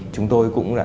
chúng tôi cũng là